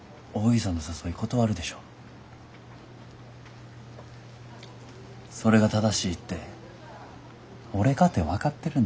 それが正しいって俺かて分かってるんです。